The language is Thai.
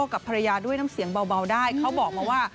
กับภรรยาด้วยน้ำเสียงเบาได้เขาบอกมาว่า